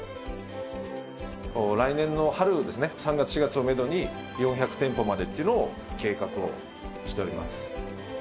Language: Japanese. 来年の春ですね、３月、４月をメドに４００店舗までっていうのを計画をしております。